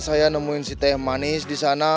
saya nemuin si tee manis disana